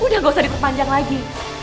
udah nggak usah ditukup panjang lagi